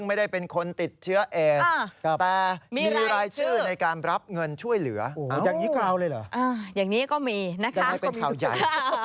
ไม่ได้เดือดร้อนอะไรเลย